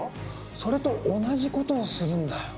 それと同じことをするんだよ。